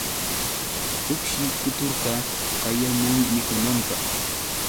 Atuqshi kuturta qayamun mikunanpaq.